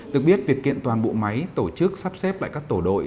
được biết việc kiện toàn bộ máy tổ chức sắp xếp lại các tổ đội